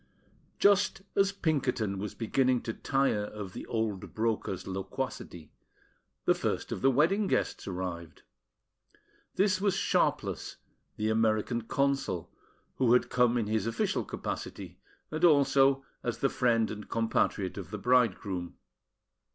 Just as Pinkerton was beginning to tire of the old broker's loquacity, the first of the wedding guests arrived. This was Sharpless, the American Consul, who had come in his official capacity, and also as the friend and compatriot of the bridegroom.